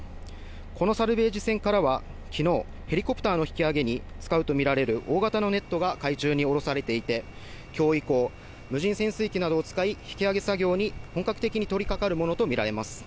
このサルベージ船からは昨日、ヘリコプターの引き揚げに使うとみられる大型のネットが海中におろされていて、今日以降、無人潜水機などを使い、引き揚げ作業に本格的に取り掛かるものとみられます。